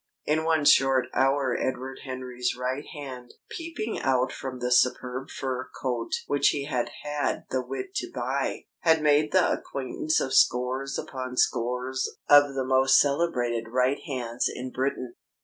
In one short hour Edward Henry's right hand (peeping out from the superb fur coat which he had had the wit to buy) had made the acquaintance of scores upon scores of the most celebrated right hands in Britain.